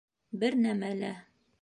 Бер нәмә лә